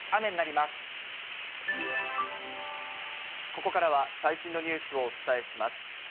ここからは、最新のニュースをお伝えします。